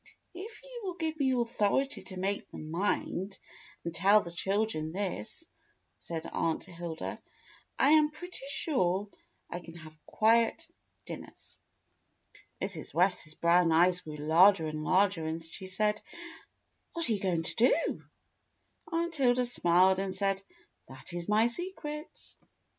^" "If you will give me authority to make them mind, and tell the children this," said Aunt Hilda, "I am pretty sure I can have quiet dinners." Mrs. West's brown eyes grew larger and larger, and she said, "WTiat are you going to do.^" Aunt Hilda smiled and said, "That is my secret."